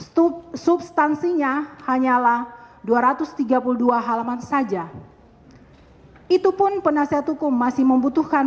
stup substansinya hanyalah dua ratus dua halaman saja itupun penasehat hukum masih membutuhkan